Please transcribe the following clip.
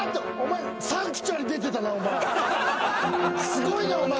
すごいなお前